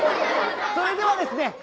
それではですね